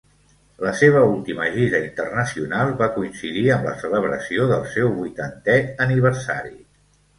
La seva última gira internacional va coincidir amb la celebració del seu vuitantè aniversari.